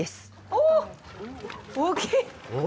おおっ、大きい。